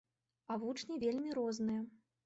А вучні вельмі розныя.